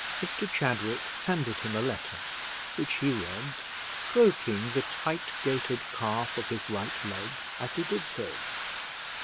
Mr Chadwick handed him a letter; which he read, stroking the tight gaitered calf of his right leg as he did so.